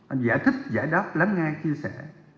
anh giải thích giải đáp lắng nghe chia sẻ